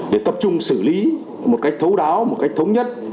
để tập trung xử lý một cách thấu đáo một cách thống nhất